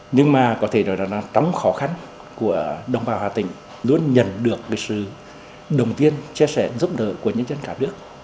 nhưng mà có thể nói là trăm khó khăn của đồng bào hà tĩnh luôn nhận được cái sự đồng tiên chia sẻ giúp đỡ của nhân dân cả nước